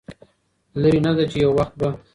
لرې نه ده چې يو وخت به